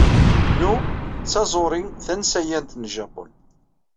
Nu d taẓuri tansayant n jjapun.